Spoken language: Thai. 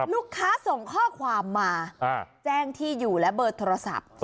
ลูกค้าส่งข้อความมาแจ้งที่อยู่และเบอร์โทรศัพท์